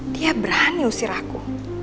dia berani usir aku